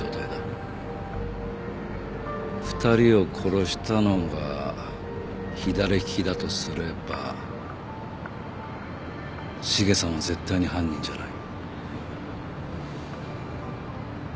２人を殺したのが左利きだとすれば茂さんは絶対に犯人じゃない。